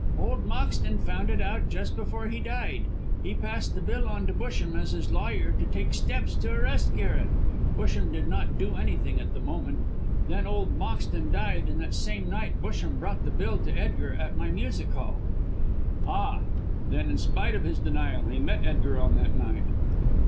"Old Moxton found it out just before he died. He passed the bill on to Busham, as his lawyer, to take steps to arrest Garret. Busham did not do anything at the moment. Then old Moxton died, and that same night Busham brought the bill to Edgar at my music hall." "Ah! then in spite of his denial he met Edgar on that night?"